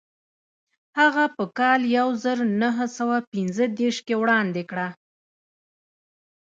هغه په کال یو زر نهه سوه پنځه دېرش کې وړاندې کړه.